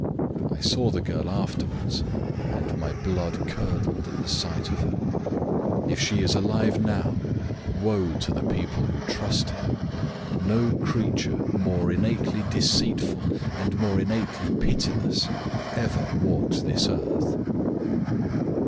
I saw the girl afterward and my blood curdled at the sight of her. If she is alive now, woe to the people who trust her! No creature more innately deceitful and more innately pitiless ever walked this earth.